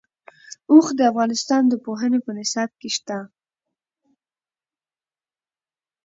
اوښ د افغانستان د پوهنې په نصاب کې شته.